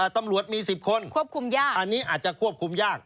ตำรวจมี๑๐คนอันนี้อาจจะควบคุมยาก